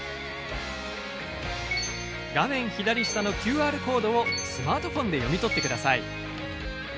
画面左下のＱＲコードをスマートフォンで読み取ってください。